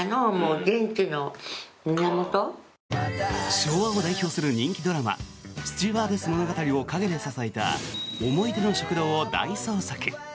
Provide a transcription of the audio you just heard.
昭和を代表する人気ドラマ「スチュワーデス物語」を陰で支えた思い出の食堂を大捜索。